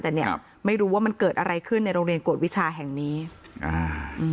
แต่เนี้ยครับไม่รู้ว่ามันเกิดอะไรขึ้นในโรงเรียนกวดวิชาแห่งนี้อ่าอืม